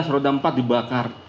lima belas roda empat dibakar